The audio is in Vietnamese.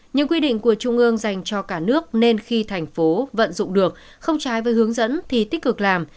những quy định của trung ương dành cho cả nước nên khi thành phố vận dụng được không trái với hướng dẫn thì tích cực làm